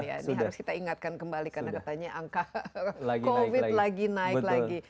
ini harus kita ingatkan kembali karena katanya angka covid lagi naik lagi